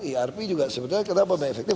erp juga sebetulnya kenapa efektif